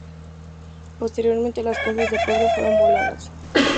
Posteriormente, las casas de pueblo fueron voladas.